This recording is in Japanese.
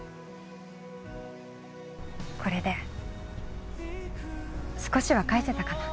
これで少しは返せたかな？